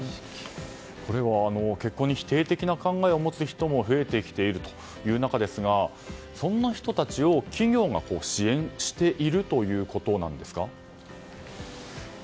これは結婚に否定的な考えを持つ人も増えてきているという中ですがそんな人たちを企業が支援しているということなんですか？